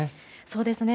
そうですね。